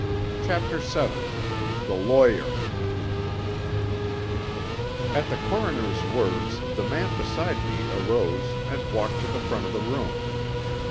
CHAPTER VII THE LAWYER At the coroner's words the man beside me arose and walked to the front of the room.